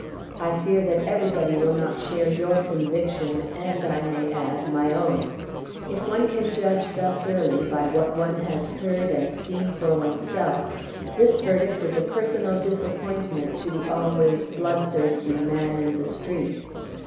I fear that everybody will not share your conviction, and, I may add, my own. If one can judge thus early by what one has heard and seen for oneself, this verdict is a personal disappointment to the always bloodthirsty man in the street.